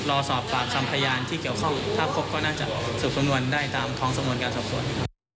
รอสอบปากคำพยานที่เกี่ยวข้องถ้าพบก็น่าจะสืบสำนวนได้ตามท้องสำนวนการสอบสวน